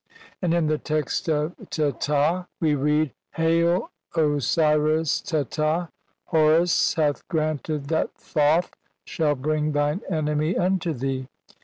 And in the text of Teta (1. 286 f.) we read, "Hail, Osiris Teta, Horus hath granted that Thoth "shall bring thine enemy unto thee.